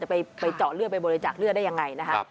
ไปเจาะเลือดไปบริจาคเลือดได้ยังไงนะครับ